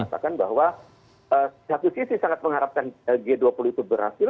dan di dalam satu sisi sangat mengharapkan g dua puluh itu berhasil